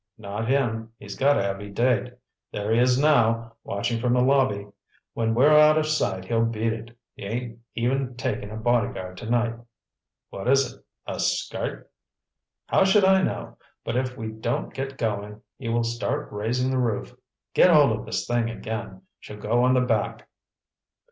"Not him—he's got a heavy date. There he is now, watchin' from the lobby. When we're out of sight, he'll beat it. He ain't even takin' a bodyguard tonight." "What is it—a skirt?" "How should I know? But if we don't get goin' he will start raisin' the roof. Git hold of this thing again—she'll go on the back."